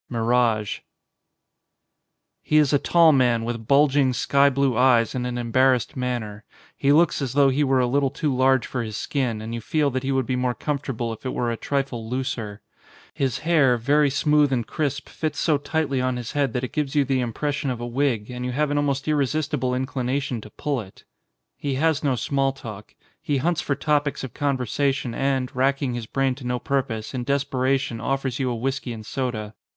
130 XXXIV MIRAGE HE is a tall man with bulging, sky blue eyes and an embarrassed manner. He looks as though he were a little too large for his skin and you feel that he would be more comfortable if it were a trifle looser. His hair, very smooth and crisp, fits so tightly on his head that it gives you the impression of a wig, and you have an almost irresistible inclination to pull it. He has no small talk. He hunts for topics of conversation and, racking his brain to no purpose, in desperation offers you a whisky and soda.